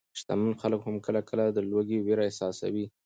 شتمن خلک هم کله ناکله د لوږې وېره احساسوي.